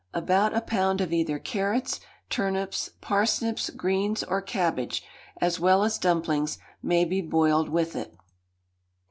About a pound of either carrots, turnips, parsnips, greens, or cabbage, as well as dumplings, may be boiled with it.